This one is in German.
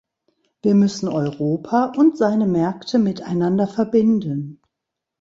Wir müssen Europa und seine Märkte miteinander verbinden.